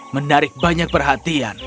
menarik banyak perhatian